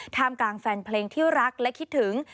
ท่ามกลางแฟนเพลงที่รักและคิดถึง